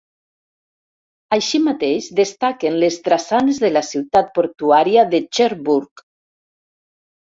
Així mateix, destaquen les drassanes de la ciutat portuària de Cherbourg.